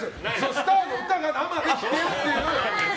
スターの歌が生で聴けるっていう。